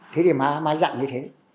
thế thì má dặn như thế